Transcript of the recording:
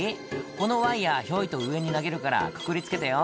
このワイヤひょいと上に投げるからくくりつけてよ